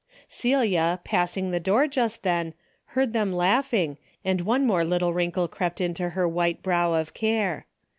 Celia, passing the door just then, heard them laughing and one more little wrinkle crept into her white brow of care.